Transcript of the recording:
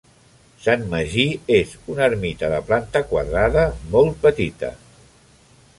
Sant Magí és una ermita de planta quadrada, molt petita.